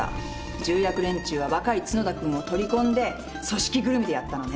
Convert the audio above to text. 重役連中は若い角田君も取り込んで組織ぐるみでやったのね。